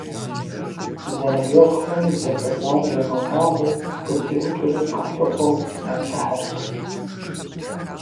Зэныбжьэгъухэм, зэхахар ягъэщӀагъуэу, къыздиӀукӀыр къалъыхъуэу заплъыхьырт.